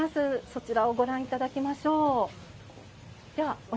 そちらをご覧いただきましょう。